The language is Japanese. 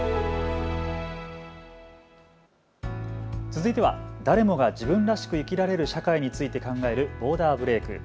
続いては誰もが自分らしく生きられる社会について考えるボーダーブレイク。